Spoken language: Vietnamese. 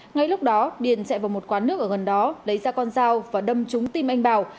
ngay lúc đó điền chạy vào một quán nước ở gần đó lấy ra con dao và đâm trúng tim anh bảo